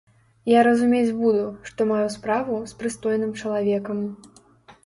Я разумець буду, што маю справу з прыстойным чалавекам.